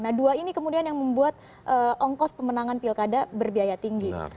nah dua ini kemudian yang membuat ongkos pemenangan pilkada berbiaya tinggi